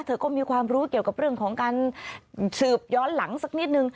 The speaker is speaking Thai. เธอก็มีความรู้เกี่ยวกับเรื่องของการสืบย้อนหลังสักนิดนึง